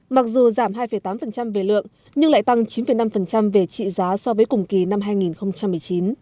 mặc dù giảm hai tám về lượng nhưng lại tăng chín năm về trị giá so với cùng kỳ năm hai nghìn một mươi chín